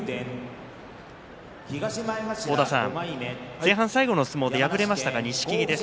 前半最後の相撲で敗れた錦木です。